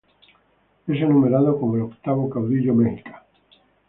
Es enumerado como el octavo caudillo mexica.